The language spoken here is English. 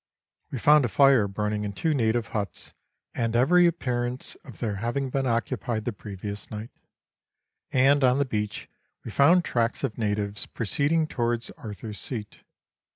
We found a fire burning in two native huts, and every appear ance of their having been occupied the previous night ; and on the beach we found tracks of natives proceeding towards Arthur's Seat.